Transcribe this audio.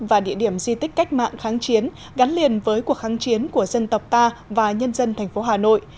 và địa điểm di tích cách mạng kháng chiến gắn liền với cuộc kháng chiến của dân tộc ta và nhân dân thành phố hà nội